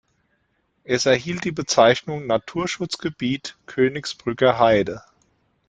Es erhielt die Bezeichnung „Naturschutzgebiet Königsbrücker Heide“.